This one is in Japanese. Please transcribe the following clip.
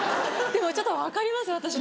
ちょっと分かります私も。